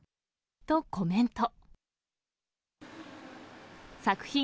とコメント。